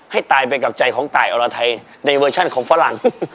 ให้ตายไปกับใจของตายอรไทยในเวอร์ชันของฝรั่ง